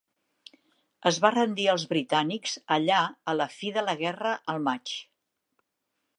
Es va rendir als britànics allà a la fi de la guerra al maig.